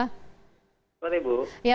selamat pagi bu